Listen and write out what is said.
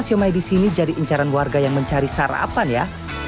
siomay disini jadi incaran warga yang mencari sarapan ya